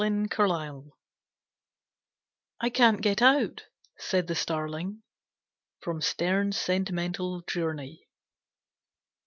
The Starling "'I can't get out', said the starling." Sterne's 'Sentimental Journey'.